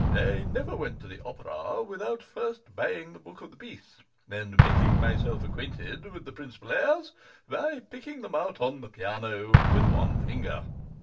I never went to the opera without first buying the book of the piece, and making myself acquainted with the principal airs by picking them out on the piano with one finger.